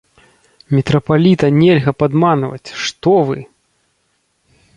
Мітрапаліта нельга падманваць, што вы!